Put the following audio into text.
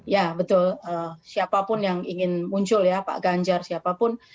ya betul siapapun yang ingin muncul ya pak ganjar siapapun